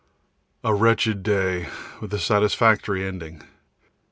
A wretched day with satisfactory ending.